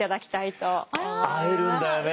会えるんだよね